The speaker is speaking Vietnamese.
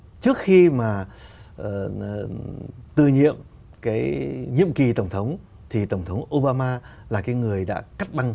và đến hai nghìn một mươi sáu trước khi mà tư nhiệm cái nhiệm kì tổng thống thì tổng thống obama là cái người đã cắt băng